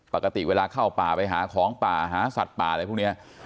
ปกติเวลาเข้าป่าไปหาของป่าหาสัตว์ป่าอะไรพวกนี้